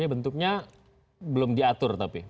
bentuknya belum diatur tapi